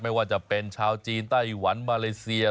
ไม่ว่าจะเป็นชาวจีนไต้หวันมาเลเซีย